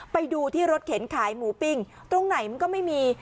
ไปดูที่รถเข็นขายหมูปิ้งตรงไหนมันก็ไม่มี